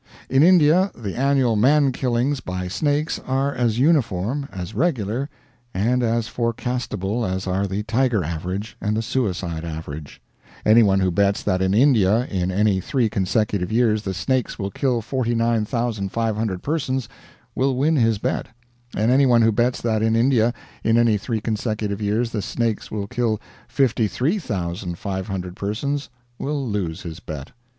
In India, the annual man killings by snakes are as uniform, as regular, and as forecastable as are the tiger average and the suicide average. Anyone who bets that in India, in any three consecutive years the snakes will kill 49,500 persons, will win his bet; and anyone who bets that in India in any three consecutive years, the snakes will kill 53,500 persons, will lose his bet.